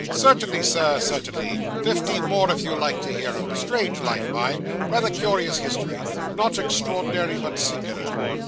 'Certainly, Sir, certainly fifty more if you like to hear 'em strange life mine rather curious history not extraordinary, but singular.